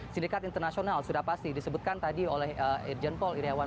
sindikat internasional sudah pasti disebutkan tadi oleh irjen paul iryawan